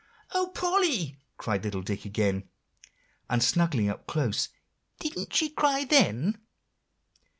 '" "O Polly!" cried little Dick again, and snuggling up closer; "didn't she cry then."